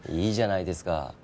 いいじゃないですか。